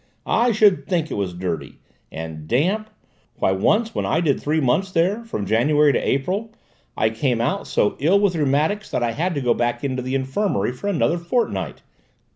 I should think it was dirty! And damp! Why once, when I did three months there, from January to April, I came out so ill with the rheumatics that I had to go back into the infirmary for another fortnight!